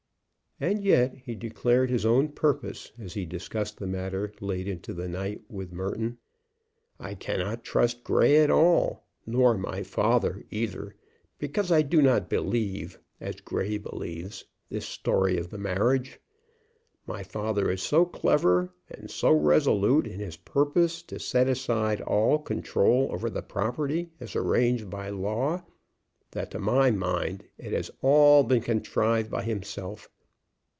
And yet he declared his own purpose as he discussed the matter, late into the night, with Merton. "I cannot trust Grey at all, nor my father either, because I do not believe, as Grey believes, this story of the marriage. My father is so clever, and so resolute in his purpose to set aside all control over the property as arranged by law, that to my mind it has all been contrived by himself.